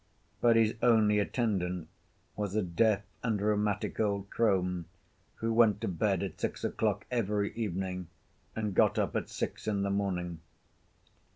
But his only attendant was a deaf and rheumatic old crone who went to bed at six o'clock every evening and got up at six in the morning.